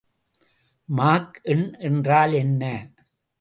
Mach எண் என்றால் என்ன?